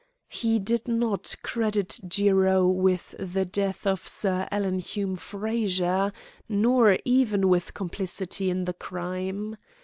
He did not credit Jiro with the death of Sir Alan Hume Frazer, nor even with complicity in the crime.